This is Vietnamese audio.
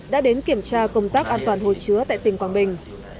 đã đến kiểm tra công tác an toàn hồ chứa tại tỉnh quảng bình